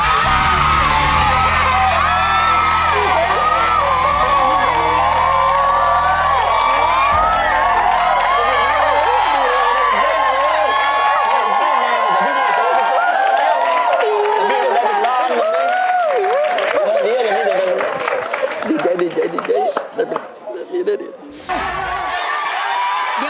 เดี๋ยวมันให้ตีเขาให้ตีนะ